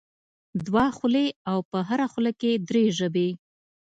دوه خولې او په هره خوله کې درې ژبې.